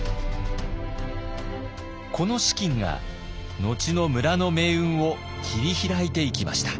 この資金が後の村の命運を切り開いていきました。